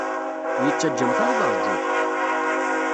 Ur iyi-ttaǧǧamt ara ad ṛjuɣ!